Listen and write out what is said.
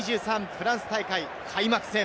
フランス大会開幕戦。